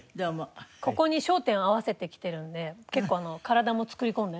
ここに焦点を合わせて来てるんで結構体も作り込んでね。